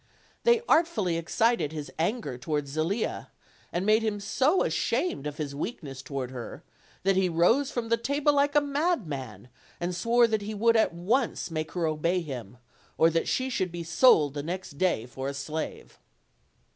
They artfully excited his anger against Zelia, and made him so ashamed of his weakness toward her that he rose from the table like a madman, and swore that he would at once make her obey him, or that she should be sold the next day for a slave.